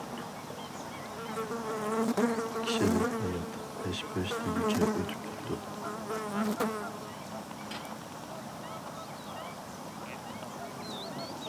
كىشىلىك ھايات ھەش-پەش دېگۈچە ئۆتۈپ كېتىدۇ.